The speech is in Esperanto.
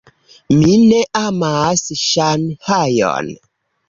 Mi ne amas Ŝanhajon.